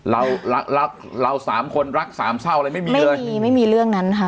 เรารักเราสามคนรักสามเศร้าอะไรไม่มีเลยไม่มีไม่มีเรื่องนั้นค่ะ